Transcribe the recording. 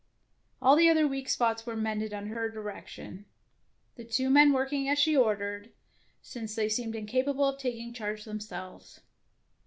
All the other weak spots were mended under her direction, the two men working as she ordered, since 107 DEEDS OF DAEING they seemed incapable of taking charge themselves.